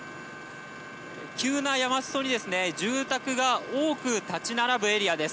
急な山裾に住宅が多く立ち並ぶエリアです。